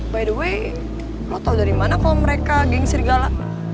by the way lo tau dari mana kalo mereka geng sirgala